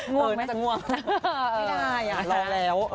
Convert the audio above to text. ง่วงน่าจะง่วงไม่ได้หลับแล้ว